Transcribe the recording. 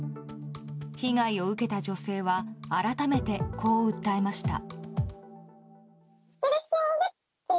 被害を受けた女性は改めてこう訴えました。